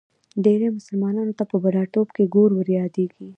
ډېری مسلمانانو ته په بوډاتوب کې ګور وریادېږي.